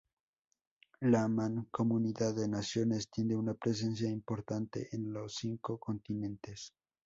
La Mancomunidad de Naciones tiene una presencia importante en los cinco continentes.